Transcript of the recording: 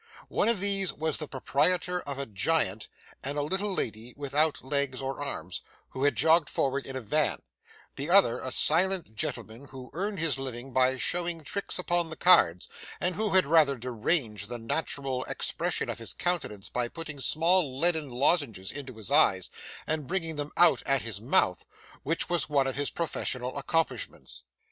One of these was the proprietor of a giant, and a little lady without legs or arms, who had jogged forward in a van; the other, a silent gentleman who earned his living by showing tricks upon the cards, and who had rather deranged the natural expression of his countenance by putting small leaden lozenges into his eyes and bringing them out at his mouth, which was one of his professional accomplishments.